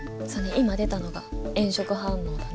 今出たのが炎色反応だね。